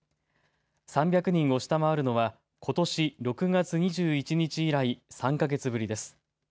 ３００人を下回るのはことし６月２１日以来、３か月ぶりです。